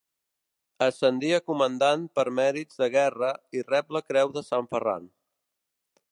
Ascendí a comandant per mèrits de guerra i rep la creu de Sant Ferran.